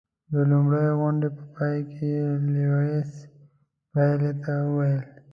د لومړۍ غونډې په پای کې یې لیویس پیلي ته وویل.